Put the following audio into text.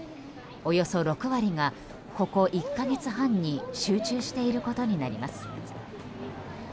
およそ６割がここ１か月半に集中していることになります。